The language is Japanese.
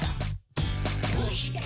「どうして？